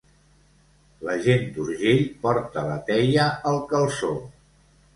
La gent d'Urgell porta la teia al calçó.